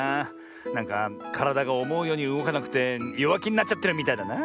なんかからだがおもうようにうごかなくてよわきになっちゃってるみたいだな。